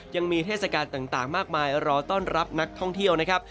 เทศกาลต่างมากมายรอต้อนรับนักท่องเที่ยวนะครับ